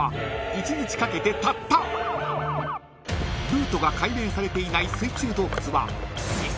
［ルートが解明されていない水中洞窟は］